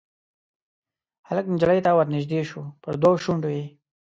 هلک نجلۍ ته ورنیژدې شو پر دوو شونډو یې